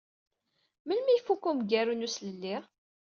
Melmi ay ifuk umgaru n uslelli?